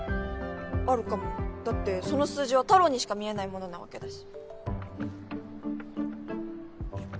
あるかもだってその数字はたろーにしか見えないものなわけだし。